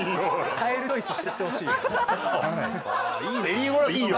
カエルチョイスしてやってほしいよ。